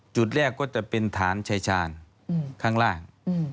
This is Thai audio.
จุดแรกก็จะเป็นฐานชายชาญข้างล่าง